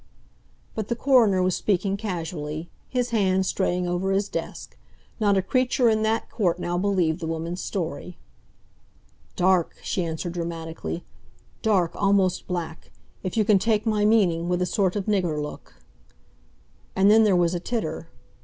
But the coroner was speaking casually, his hand straying over his desk; not a creature in that court now believed the woman's story. "Dark!" she answered dramatically. "Dark, almost black! If you can take my meaning, with a sort of nigger look." And then there was a titter.